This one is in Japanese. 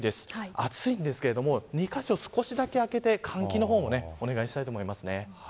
暑いんですけれども２カ所を少しだけ開けて換気もお願いしたいと思います。